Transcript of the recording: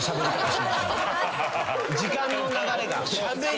時間の流れが。